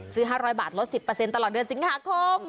ซื้อ๕๐๐บาทลด๑๐ตลอดเดือนสิงหาคม